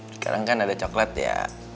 sekarang kan ada coklat ya